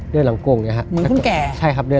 เดินหลังโก่งเนี่ย